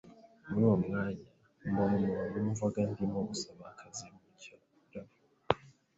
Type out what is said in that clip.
muri uwo mwanya, mbona umuntu wumvaga ndimo gusaba akazi mu Cyarabu,